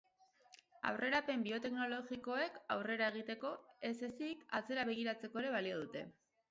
Aurrerapen bioteknologikoek aurrera egiteko ez ezik atzera begiratzeko ere balio dute.